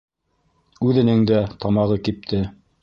Үҙенең дә тамағы кипте.